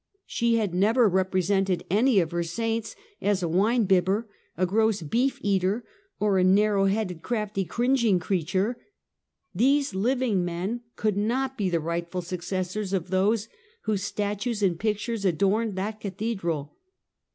She had never represented any of her saints as a wine bibber, a gross beef eater, or a narrow headed, crafty, cringing creature. These living men could not be the rightful successors of those whose statues and pictures adorned that cathedral.